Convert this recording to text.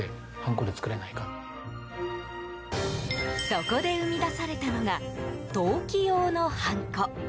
そこで生み出されたのが陶器用のハンコ。